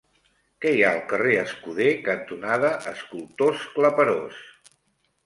Què hi ha al carrer Escuder cantonada Escultors Claperós?